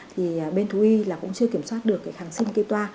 thì bên thú y là cũng chưa kiểm soát được kháng sinh cây toa